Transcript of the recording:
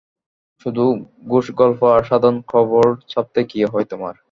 শুধু খোশগল্প আর সাধারণ খবর ছাপতে কী হয় তোমার?